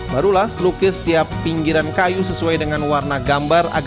barulah lukis setiap pinggiran kayu sesuai dengan warna gambar